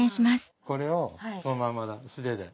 これをそのまま素手で。